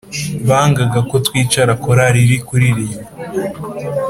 Bangaga ko twicara korari iri kuririmba